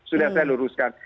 sudah saya luruskan